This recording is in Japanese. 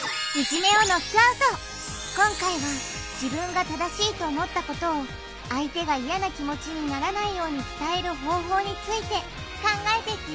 今回は自分が正しいと思ったことを相手が嫌な気持ちにならないように伝える方法について考えていくよ